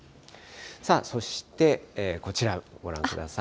さあ、そしてこちら、ご覧ください。